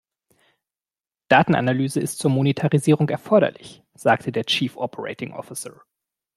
Datenanalyse ist zur Monetarisierung erforderlich, sagte der Chief Operating Officer.